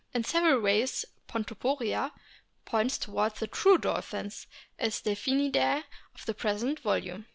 t In several ways Pontoporia points towards the true dolphins, the Delphinidae of the present volume.